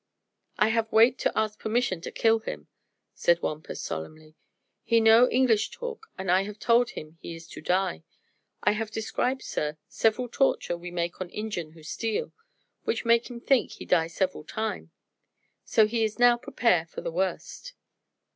"I have wait to ask permission to kill him," said Wampus solemnly. "He know English talk, an' I have told him he is to die. I have describe, sir, several torture we make on Injun who steal, which make him think he die several time. So he is now prepare for the worst."